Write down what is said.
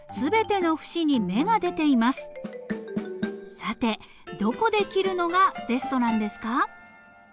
さてどこで切るのがベストなんですか？